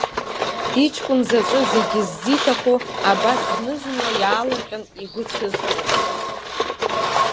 Ичкәын заҵәы, зегьы ззиҭаху, абас зны-зынла иаалырҟьан игәы цәызҟьоз?